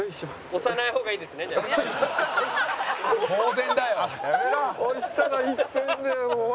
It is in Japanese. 当然だよ！